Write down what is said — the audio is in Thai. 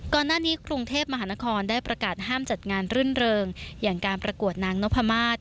ก่อนหน้านี้กรุงเทพมหานครได้ประกาศห้ามจัดงานรื่นเริงอย่างการประกวดนางนพมาศ